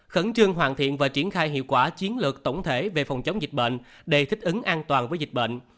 khẩn trương hoàn thiện và triển khai hiệu quả chiến lược tổng thể về phòng chống dịch bệnh để thích ứng an toàn với dịch bệnh